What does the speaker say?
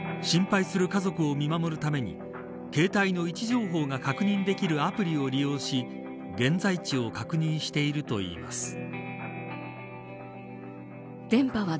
心配する家族を見守るために携帯の位置情報が確認できるアプリを利用し現在地を確認しているといいます。